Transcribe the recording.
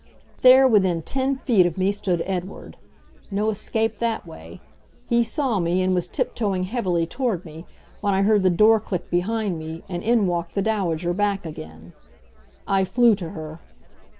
There within ten feet of me stood Edward. No escape that way. He saw me, and was tiptoeing heavily toward me, when I heard the door click behind me, and in walked the Dowager back again. I flew to her.